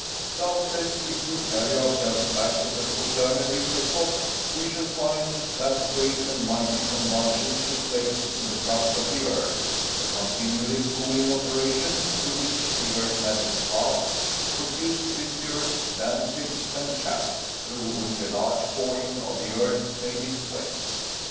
Doubtless, if we carry ourselves back to the Quaternary epoch, we shall find that great and mighty convulsions took place in the crust of the earth; the continually cooling operation, through which the earth had to pass, produced fissures, landslips, and chasms, through which a large portion of the earth made its way.